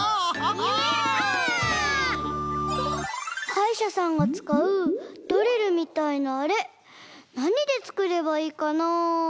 イエイ！はいしゃさんがつかうドリルみたいなあれなにでつくればいいかなあ？